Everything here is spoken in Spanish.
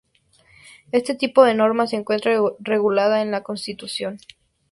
Este tipo de norma se encuentra regulada en la Constitución.